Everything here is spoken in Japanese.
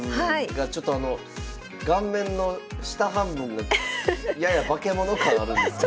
がちょっとあの顔面の下半分がやや化け物感あるんですが。